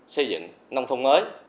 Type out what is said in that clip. xây dựng nông thôn mới